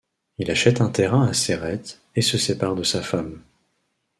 Il achète un terrain à Céret et se sépare de sa femme.